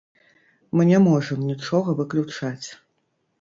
Мы не можам нічога выключаць.